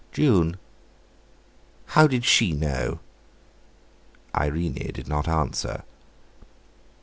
"June." "How did she know?" Irene did not answer.